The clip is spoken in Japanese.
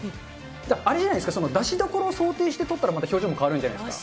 あれじゃないですか、出しどころを想定して撮ったらまた表情も変わるんじゃないですか？